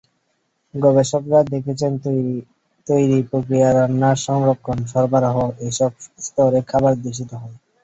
গবেষকেরা দেখেছেন, তৈরি প্রক্রিয়া, রান্না, সংরক্ষণ, সরবরাহ এসব স্তরে খাবার দূষিত হয়।